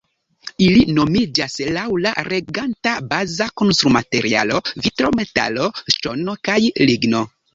Ili nomiĝas laŭ la reganta baza konstrumaterialo vitro, metalo, ŝtono kaj ligno.